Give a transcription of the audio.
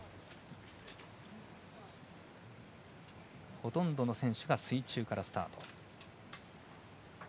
ほとんどの選手が水中からスタート。